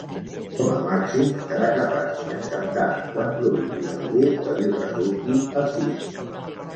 Com a màxim serà capaç d'acceptar quan provingui d'algú que li resulti afí.